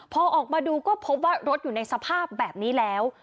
พอออกมาดูก็พบว่ารถอยู่ในสภาพแบบนี้แล้ว